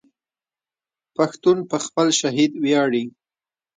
پښتون په خپل شهید ویاړي.